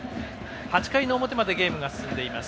８回の表までゲームは進んでいます。